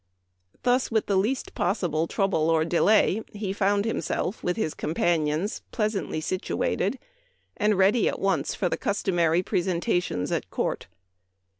Thus, with the least possible trouble or delay, he found himself, with his companions, pleasantly situated, and ready at once for the customary presenta tions at court.